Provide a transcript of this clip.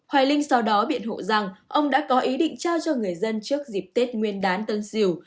hoài linh sau đó biện hộ rằng ông đã có ý định trao cho người dân trước dịp tết nguyên đán tân sỉu